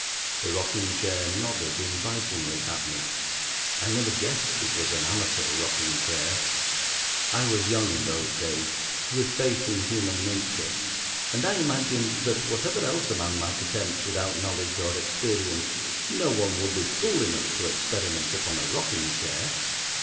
The rocking chair nodded invitingly at me. I never guessed it was an amateur rocking chair. I was young in those days, with faith in human nature, and I imagined that, whatever else a man might attempt without knowledge or experience, no one would be fool enough to experiment upon a rocking chair.